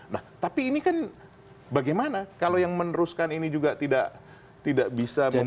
nah tapi ini kan bagaimana kalau yang meneruskan ini juga tidak bisa membatasi